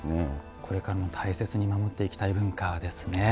これからも大切に守っていきたい文化ですね。